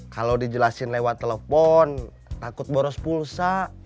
kalau dijelasin lewat telepon takut boros pulsa